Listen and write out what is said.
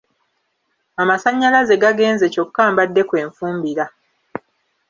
Amasannyalaze gagenze kyokka mbadde kwe nfumbira